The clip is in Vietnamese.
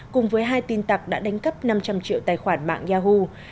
cùng với hai tin tặc đã đánh cấp năm trăm linh triệu tài khoản mạng yahoo